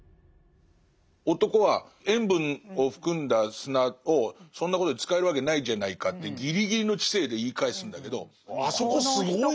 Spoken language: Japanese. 男は塩分を含んだ砂をそんなことに使えるわけないじゃないかってギリギリの知性で言い返すんだけどあそこすごいなと思って。